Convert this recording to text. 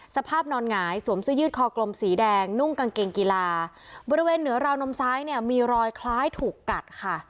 สภาพนอนหงายสวมเสื้อยืดคอกลมสีแดงนุ่งกางเกงกีฬาบริเวณเหนือราวนมซ้ายเนี่ยมีรอยคล้ายถูกกัดค่ะ